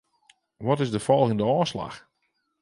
Wat is de folgjende ôfslach?